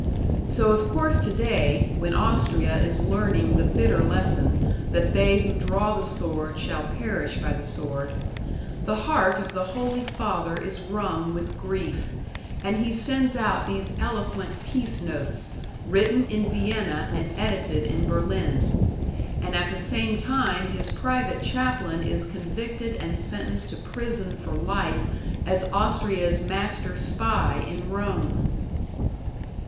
So of course to day, when Austria is learning the bitter lesson that they who draw the sword shall perish by the sword, the heart of the Holy Father is wrung with grief, and he sends out these eloquent peace notes, written in Vienna and edited in Berlin. And at the same time his private chaplain is convicted and sentenced to prison for life as Austria's Master Spy in Rome!